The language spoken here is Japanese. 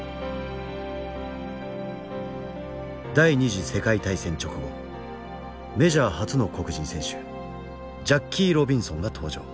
第二次世界大戦直後メジャー初の黒人選手ジャッキー・ロビンソンが登場。